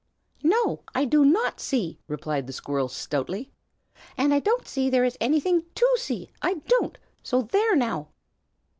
"No, I do not see!" replied the squirrel, stoutly. "And I don't believe there is anything to see, I don't. So there, now!"